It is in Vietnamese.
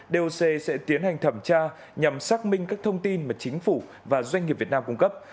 doc sẽ tiến hành thẩm tra nhằm xác minh các thông tin mà chính phủ và doanh nghiệp việt nam cung cấp